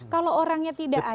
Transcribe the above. kalau orangnya tidak ada